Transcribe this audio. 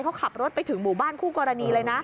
เขาขับรถไปถึงหมู่บ้านคู่กรณีเลยนะ